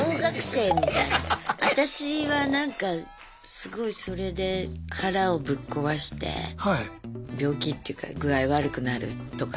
私はなんかすごいそれで腹をぶっ壊して病気っていうか具合悪くなるとか。